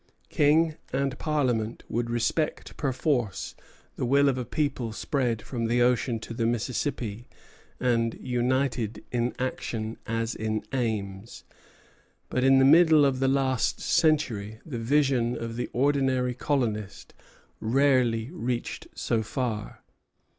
King and Parliament would respect perforce the will of a people spread from the ocean to the Mississippi, and united in action as in aims. But in the middle of the last century the vision of the ordinary colonist rarely reached so far.